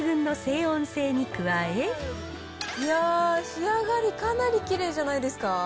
いやー、仕上がりかなりきれいじゃないですか。